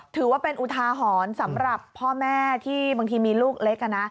ถือว่าเป็นอุทาหรณ์สำหรับพ่อแม่ที่บางทีมีลูกเล็ก